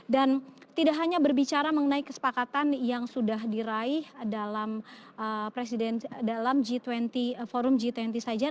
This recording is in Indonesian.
dan tidak hanya berbicara mengenai kesepakatan yang sudah diraih dalam forum g dua puluh saja